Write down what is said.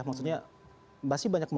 maksudnya masih banyak yang tersisa